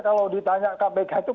kalau ditanya kpk itu